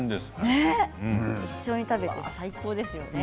一緒に食べると最高ですね。